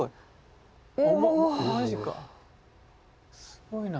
すごいな。